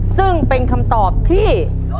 ซึ่งเป็นคำตอบที่